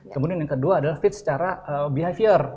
kemudian yang kedua adalah fit secara behavior